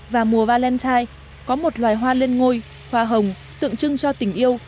và mùa valentine có một loài hoa lên ngôi hoa hồng tượng trưng cho tình yêu